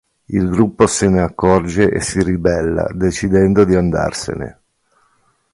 Il gruppo se ne accorge e si ribella decidendo di andarsene.